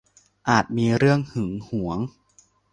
อาจมีเรื่องหึงหวง